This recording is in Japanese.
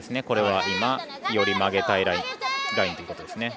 これは今、より曲げたいラインということです。